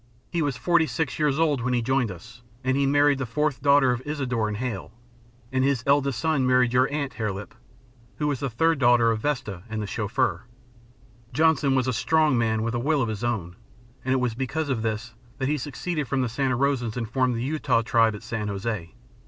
He was forty six years old when he joined us, and he married the fourth daughter of Isadore and Hale, and his eldest son married your aunt, Hare Lip, who was the third daughter of Vesta and the Chauffeur. Johnson was a strong man, with a will of his own. And it was because of this that he seceded from the Santa Rosans and formed the Utah Tribe at San José.